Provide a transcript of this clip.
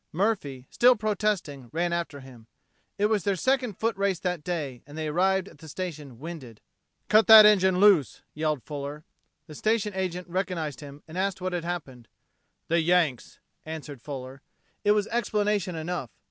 Murphy, still protesting, ran after him. It was their second foot race that day, and they arrived at the station winded. "Cut that engine loose!" yelled Fuller. The station agent recognized him, and asked what had happened. "The Yanks!" answered Fuller. It was explanation enough.